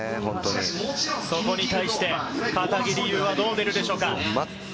そこに対して、片桐悠はどう出るんでしょうか？